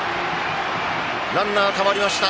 ランナーたまりました。